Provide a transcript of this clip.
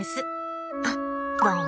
あっどうも。